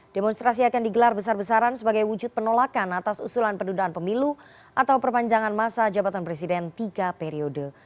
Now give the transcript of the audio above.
demonstrasi akan digelar besar besaran sebagai wujud penolakan atas usulan pendudukan pemilu atau perpanjangan masa jabatan presiden tiga periode